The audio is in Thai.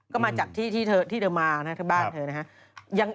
ก็มาจากที่เธอมานะที่บ้านเธอนะครับ